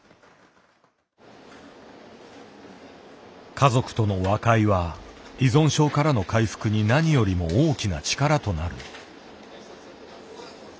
家族との和解は依存症からの回復に何よりも大きな力となる。